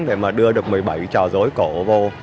để mà đưa được một mươi bảy trò dối cổ vô